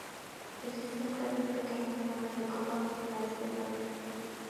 Existe un cráter pequeño en forma de copa justo al este de Wegener.